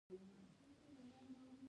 دا حق د قانون د احکامو په چوکاټ کې دی.